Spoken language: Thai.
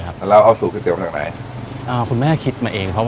เอาแล้วเป็นไข่ของชำแล้ว